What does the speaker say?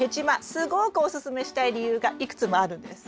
すごくおすすめしたい理由がいくつもあるんです。